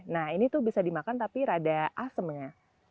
nah ini tuh bisa dimakan tapi rada asemnya